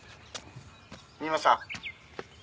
「三馬さん？」